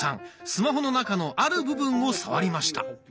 スマホの中のある部分を触りました。